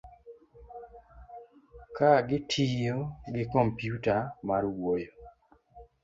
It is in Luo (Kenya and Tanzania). ka gitiyo gi kompyuta mar wuoyo